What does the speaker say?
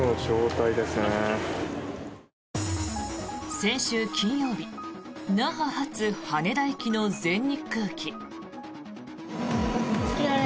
先週金曜日那覇発羽田行きの全日空機。